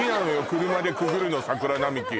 車でくぐるの桜並木